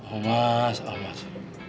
oh mas oh mas